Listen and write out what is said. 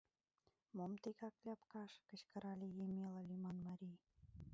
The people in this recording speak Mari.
— Мом тегак ляпкаш! — кычкырале Емела лӱман марий.